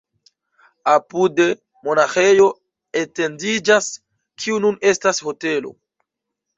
Apude monaĥejo etendiĝas, kiu nun estas hotelo.